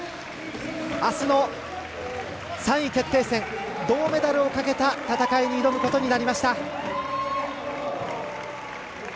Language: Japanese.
あすの３位決定戦銅メダルをかけた戦いに挑むことになりました。